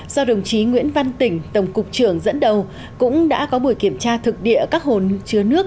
do đồng chí nguyễn văn tỉnh tổng cục trưởng dẫn đầu cũng đã có buổi kiểm tra thực địa các hồn chứa nước